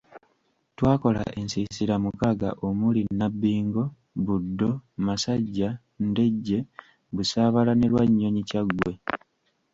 Twakola ensiisira mukaaga omuli; Nabbingo, Buddo, Masajja, Ndejje, Busaabala, ne Lwanyonyi–Kyaggwe.